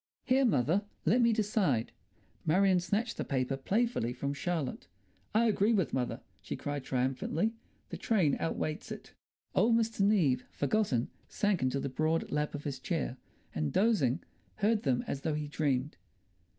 "Here, mother, let me decide." Marion snatched the paper playfully from Charlotte. "I agree with mother," she cried triumphantly. "The train overweights it." Old Mr. Neave, forgotten, sank into the broad lap of his chair, and, dozing, heard them as though he dreamed.